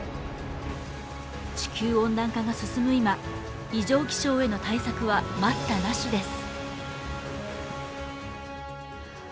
地球温暖化が進む今、異常気象への対策は待ったなしです。